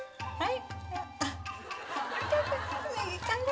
はい。